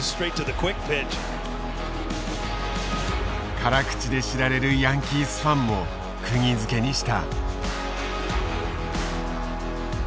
辛口で知られるヤンキースファンもくぎづけにした。